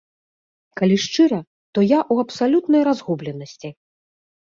Калі шчыра, то я ў абсалютнай разгубленасці.